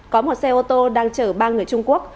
có một xe ô tô đang chở ba người trung quốc